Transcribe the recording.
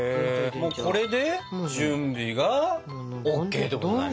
もうこれで準備がＯＫってことだね。